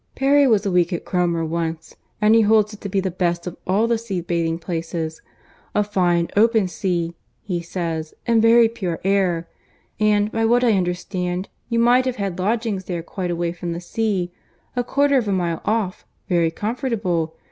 —Perry was a week at Cromer once, and he holds it to be the best of all the sea bathing places. A fine open sea, he says, and very pure air. And, by what I understand, you might have had lodgings there quite away from the sea—a quarter of a mile off—very comfortable.